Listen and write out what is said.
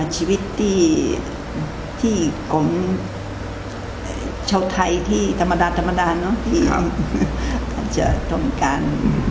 ชีวิตที่ของชาวไทยที่ธรรมดาที่จะต้องการ